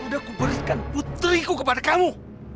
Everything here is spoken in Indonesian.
sudah kuberitkan putriku kepada kamu